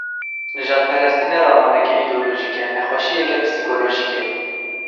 Nijadperestî ne ramaneke îdeolojîk e, nexweşiyeke psîkolojîk e.